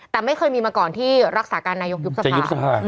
แต่ไม่เคยมีมาก่อนที่รักษาการนายกยุบสภา